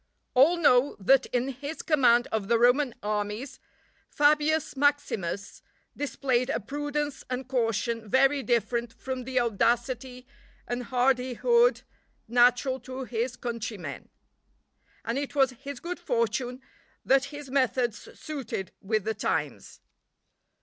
All know that in his command of the Roman armies, Fabius Maximus displayed a prudence and caution very different from the audacity and hardihood natural to his countrymen; and it was his good fortune that his methods suited with the times.